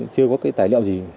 chưa có cái tài liệu gì